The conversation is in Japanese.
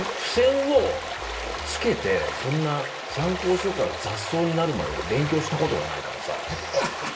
付箋をつけてそんな参考書から雑草になるまで俺勉強したことがないからさ。